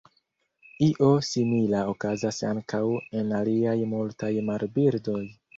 Io simila okazas ankaŭ en aliaj multaj marbirdoj.